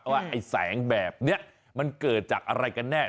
ว่าไอ้แสงแบบนี้มันเกิดจากอะไรกันแน่